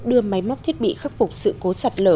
đưa máy móc thiết bị khắc phục sự cố sạt lở